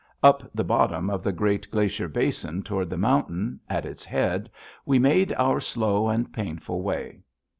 Up the bottom of the great glacier basin toward the mountain at its head, we made our slow and painful way.